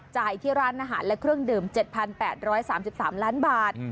ที่ร้านอาหารและเครื่องดื่ม๗๘๓๓ล้านบาท